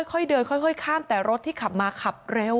ค่อยเดินค่อยข้ามแต่รถที่ขับมาขับเร็ว